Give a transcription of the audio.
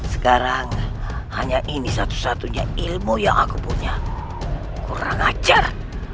sekarang hanya ini satu satunya ilmu yang aku punya orang ajar